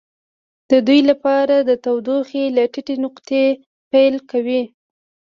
د ودې لپاره د تودوخې له ټیټې نقطې پیل کوي.